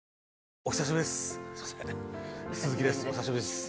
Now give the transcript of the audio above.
お久しぶりです。